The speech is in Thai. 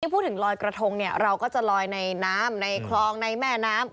พูดถึงลอยกระทงเนี่ยเราก็จะลอยในน้ำในคลองในแม่น้ำ